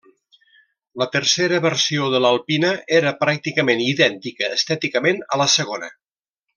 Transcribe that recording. La tercera versió de l'Alpina era pràcticament idèntica estèticament a la segona.